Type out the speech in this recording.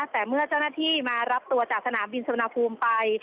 แต่เมื่อเจ้าหน้าที่มารับตัวจากสนามบินสุวรรณภูมิไป